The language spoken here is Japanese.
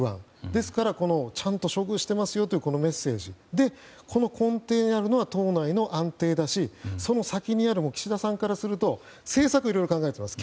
だから、ちゃんと処遇していますよというメッセージで根底にあるのは党内の安定だし、その先にある岸田さんからすると政策はいろいろ考えています。